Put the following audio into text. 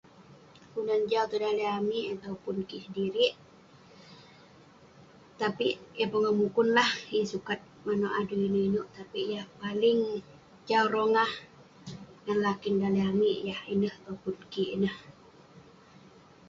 Latek sagak, petarek, mengase, ireh ngetarui ireh pesinuy ineh koluk tan kik